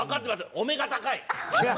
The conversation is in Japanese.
お目が高い！